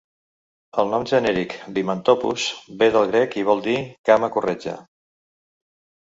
El nom genèric d'"himantopus" ve del grec i vol dir "cama corretja".